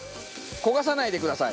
焦がさないでください。